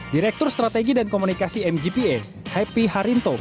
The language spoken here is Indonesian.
direktur strategi dan komunikasi mgpa happy harinto